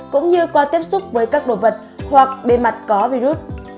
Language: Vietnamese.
cũng như qua tiếp xúc với các đồ vật hoặc bề mặt có virus